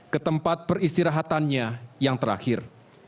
ke tempat peristirahatannya yang terakhir